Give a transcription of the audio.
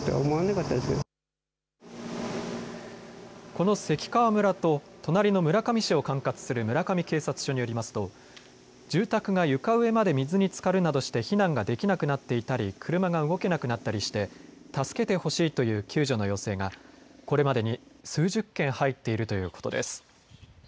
この関川村と隣の村上市を管轄する村上警察署によりますと住宅が床上まで水につかるなどして避難ができなくなっていたり車が動けなくなったりして助けてほしいという救助の要請がこれまでに数十件入っているということです。